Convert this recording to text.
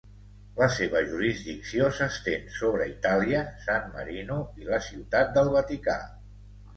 La seva jurisdicció s'estén sobre Itàlia, San Marino i la Ciutat del Vaticà.